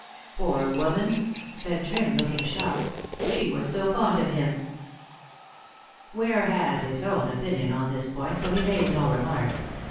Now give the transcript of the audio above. "Poor woman!" said Trim, looking shocked; "she was so fond of him." Ware had his own opinion on this point, so made no remark.